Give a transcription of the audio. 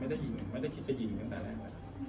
ไม่ได้ยิงไม่ได้คิดจะยิงกันแต่แล้ว